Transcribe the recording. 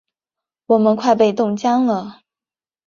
我们快被冻僵了！